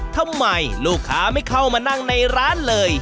ทำไมลูกค้าไม่เข้ามานั่งในร้านเลย